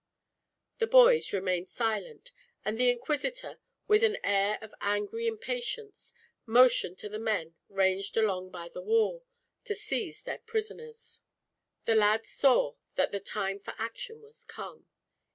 The boys remained silent, and the inquisitor, with an air of angry impatience, motioned to the men ranged along by the wall to seize their prisoners. The lads saw that the time for action was come.